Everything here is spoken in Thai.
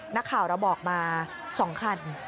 นักข่าวเราบอกมา๒คัน